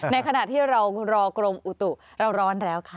ขณะที่เรารอกรมอุตุเราร้อนแล้วค่ะ